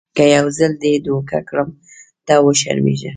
که یو ځل دې دوکه کړم ته وشرمېږه .